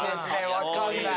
分かんない。